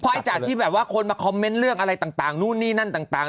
เพราะจากที่แบบว่าคนมาคอมเมนต์เรื่องอะไรต่างนู่นนี่นั่นต่าง